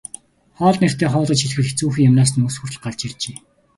Хоол нэртэй хоол гэж хэлэхэд хэцүүхэн юмнаас нь үс хүртэл гарч иржээ.